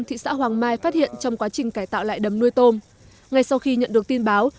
thị xã hoàng mai phát hiện trong quá trình cải tạo lại đầm nuôi tôm ngay sau khi nhận được tin báo